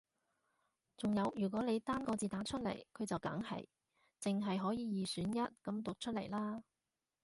仲有如果你單個字打出嚟佢就梗係淨係可以二選一噉讀出嚟啦